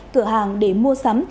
cửa hàng để mua sắm